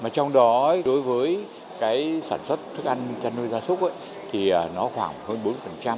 trong đó đối với sản xuất thức ăn nôi da súc nó khoảng hơn bốn